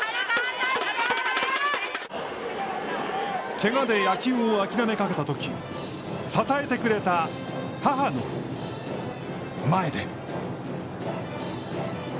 けがで野球を諦めかけたとき支えてくれた母の前で。